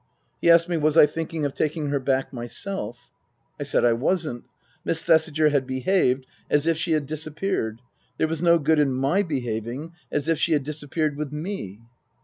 He asked me was I thinking of taking her back myself ? I said I wasn't. Miss Thesiger had behaved as if she had disappeared. There was no good in my behaving as if she had disappeared with me.